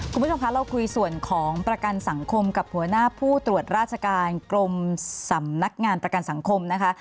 คุณผู้ชมคะเราคุยส่วนของประกันสังคมกับหัวหน้าผู้ตรวจราชการกรมสำนักงานประกันสังคมนะคะ